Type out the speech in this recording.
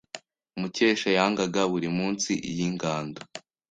Mukesha yangaga buri munsi yingando.